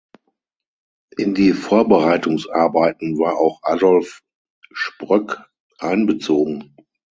In die Vorbereitungsarbeiten war auch Adolf Sproeck einbezogen.